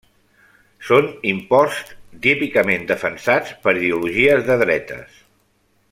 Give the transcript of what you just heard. Són imposts típicament defensats per ideologies de dretes.